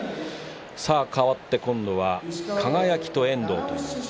かわって今度は輝と遠藤です。